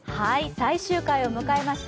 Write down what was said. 最終回を迎えました